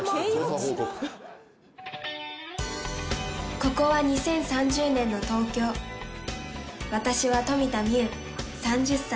「ここは２０３０年の東京」「私は富田望生３０歳。